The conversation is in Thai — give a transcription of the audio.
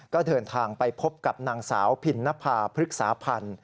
ก็เดินทางไปพบกับนางสาวพินนภาพฤกษาพันธ์